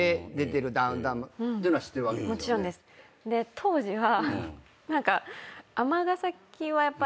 当時は。